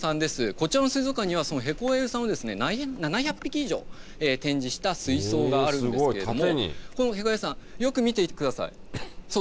こちらの水族館にはヘコアユさんを７００匹以上展示した水槽があるんですけれどもこのヘコアユさんよく見てください。